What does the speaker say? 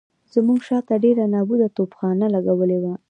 زموږ شاته ډېره نابوده توپخانه لګولې وه.